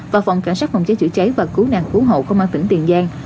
và phòng cảnh sát phòng chế chữa cháy và cứu nạn cứu hậu không an tỉnh tiền giang